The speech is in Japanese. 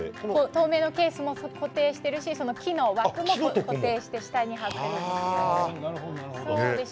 透明なケースも固定しているし、木の枠も固定して下に貼っています。